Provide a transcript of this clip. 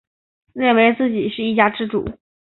认为自己是一家之主